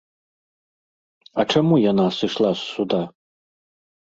А чаму яна сышла з суда?